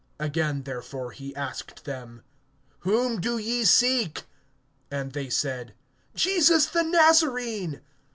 (7)Again therefore he asked them: Whom do ye seek? And they said: Jesus the Nazarene.